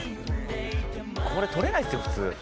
「これ捕れないですよ普通」